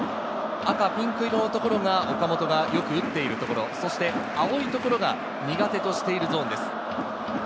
赤、ピンク色のところが岡本がよく打ってるところ、青いところが苦手としているゾーンです。